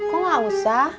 kok nggak usah